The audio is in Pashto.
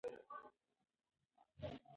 شعر جذبه نه پیاوړې کوي.